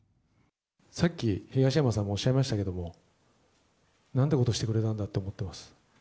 さっき、東山さんもおっしゃいましたけども、なんてことしてくれたんだって思ってます。